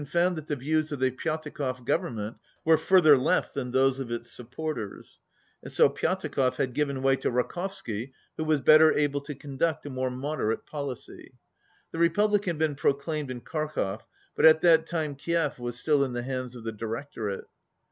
32 found that the views of the Pyatakov government were further left than those of its supporters, and so Pyatakov had given way to Rakovsky who was better able to conduct a more moderate policy. The Republic had been proclaimed in Kharkov, but at that time Kiev was still in the hands of the Directorate.